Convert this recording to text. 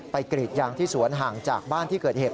กรีดยางที่สวนห่างจากบ้านที่เกิดเหตุ